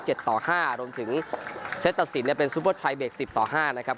จนถึงเซตตะสินเป็นซูเปอร์ไทเบค๑๐ต่อ๕นะครับ